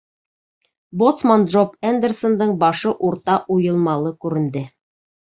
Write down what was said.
Боцман Джоб Эндерсондың башы урта уйылмала күренде: